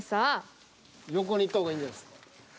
横にいった方がいいんじゃないですか。